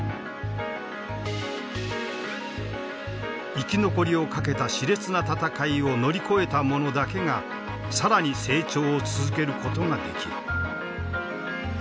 生き残りをかけたしれつな戦いを乗り越えたものだけが更に成長を続けることができる。